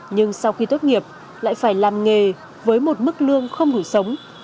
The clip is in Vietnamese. nhưng sau khi tốt nghiệp lại phải làm nghề với một mức lương không đủ sống